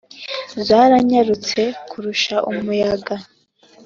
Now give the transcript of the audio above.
Zaranyarutse kurusha umuyaga.